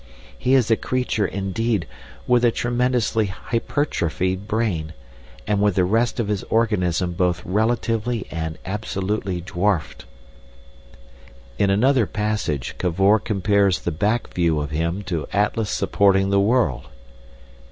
He is a creature, indeed, with a tremendously hypertrophied brain, and with the rest of his organism both relatively and absolutely dwarfed." In another passage Cavor compares the back view of him to Atlas supporting the world.